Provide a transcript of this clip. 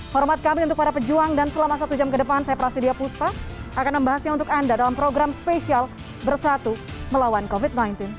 hormat kami untuk para pejuang dan selama satu jam ke depan saya prasidya puspa akan membahasnya untuk anda dalam program spesial bersatu melawan covid sembilan belas